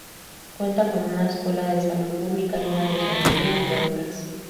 Cuenta con una escuela de Salud Pública y una de Ingeniería entre otras.